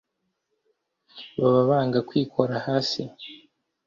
Baba bánga kw íkorá haasí